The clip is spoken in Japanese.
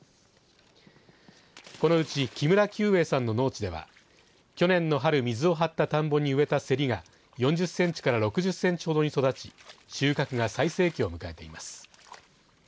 このうち木村久栄さんの農地では去年の春、水を張った田んぼに植えた、せりが４０センチから６０センチほどに育ち収穫が最盛期を迎えています。